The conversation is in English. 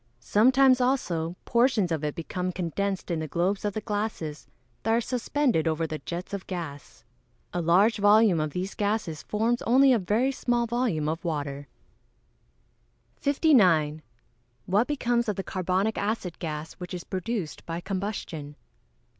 Sometimes, also, portions of it become condensed in the globes of the glasses that are suspended over the jets of gas. A large volume of these gases forms only a very small volume of water. 59. _What becomes of the carbonic acid gas which is produced by combustion?